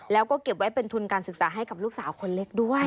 แล้วก็เก็บไว้เป็นทุนการศึกษาให้กับลูกสาวคนเล็กด้วย